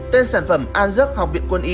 tên sản phẩm an rắc học viện quân y